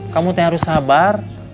kamu teh harus sabar